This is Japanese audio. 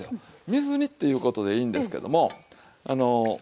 水煮っていうことでいいんですけども。